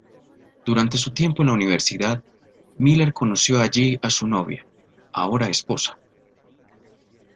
Durante su tiempo en la universidad, Miller conoció allí a su novia, ahora esposa.